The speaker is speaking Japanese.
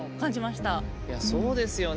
いやそうですよね。